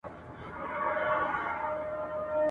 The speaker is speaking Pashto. بې وسلې وو وارخطا په زړه اوتر وو !.